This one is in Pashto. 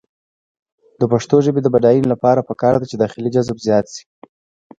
د پښتو ژبې د بډاینې لپاره پکار ده چې داخلي جذب زیات شي.